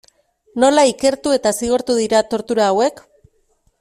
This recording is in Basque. Nola ikertu eta zigortu dira tortura hauek?